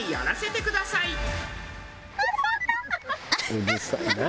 「うるさい。何？」